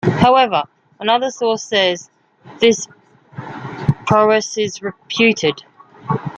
However, another source says this prowess is "reputed".